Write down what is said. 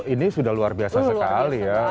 ini sudah luar biasa sekali ya